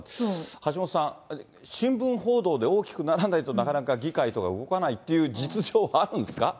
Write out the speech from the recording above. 橋下さん、新聞報道で大きくならないと、なかなか議会とか動かないという実情はあるんですか？